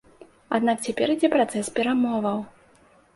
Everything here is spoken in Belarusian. Аднак цяпер ідзе працэс перамоваў.